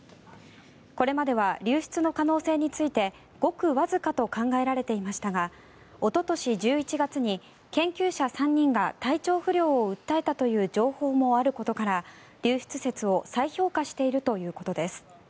これまでは流出の可能性についてごくわずかと考えられていましたがおととし１１月に研究者３人が体調不良を訴えたという情報もあるということから流出説を再評価しているということです。